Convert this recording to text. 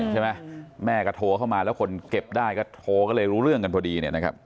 ใช่ไหมแม่ก็โทเข้ามาแล้วคนเก็บได้ก็โทก็เลยรู้เรื่องกันพอดี